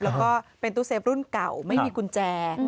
แล้วก็เป็นตู้เซฟรุ่นเก่าไม่มีกุญแจ